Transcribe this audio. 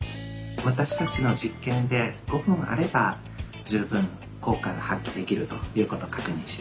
私たちの実験で５分あれば十分効果が発揮できるということを確認しています。